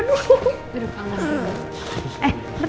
duduk anggar juga